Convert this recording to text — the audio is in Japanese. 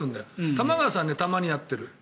玉川さん、たまにやってる。